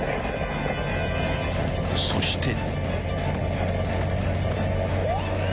［そして］